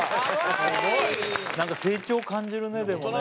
なんか成長を感じるねでもね。